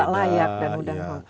sudah tidak layak